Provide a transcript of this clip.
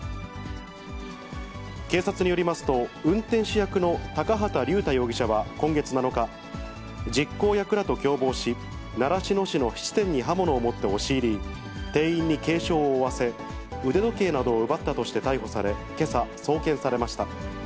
警察によりますと、運転手役の高畑竜太容疑者は今月７日、実行役らと共謀し、習志野市の質店に刃物を持って押し入り、店員に軽傷を負わせ、腕時計などを奪ったとして逮捕され、けさ、送検されました。